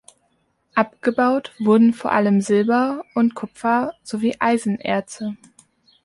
Abgebaut wurden vor allem Silber- und Kupfer- sowie Eisenerze.